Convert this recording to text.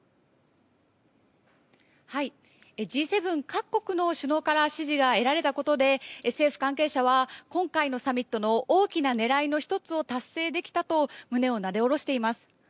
Ｇ７各国の首脳から支持が得られたことで政府関係者は今回のサミットの大きな狙いの１つを達成できたと胸をなで下ろしています。